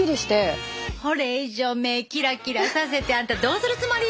これ以上目キラキラさせてあんたどうするつもり！